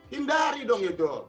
hindari dong itu